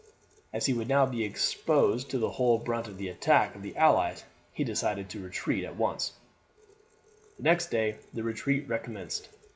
As he would now be exposed to the whole brunt of the attack of the allies he decided to retreat at once. The next day the retreat recommenced.